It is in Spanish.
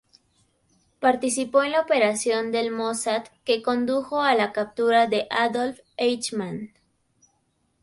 Participó en la operación del Mossad que condujo a la captura de Adolf Eichmann.